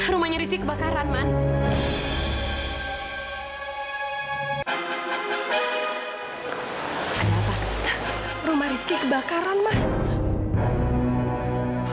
rumah rizky kebakaran man